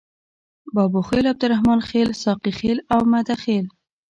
بابوخیل، عبدالرحمن خیل، ساقي خیل او مده خیل.